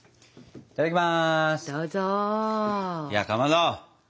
いただきます！